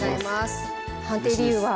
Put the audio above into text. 判定理由は。